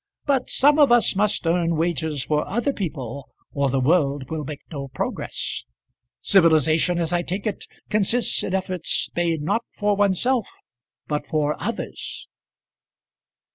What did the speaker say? But some of us must earn wages for other people, or the world will make no progress. Civilization, as I take it, consists in efforts made not for oneself but for others."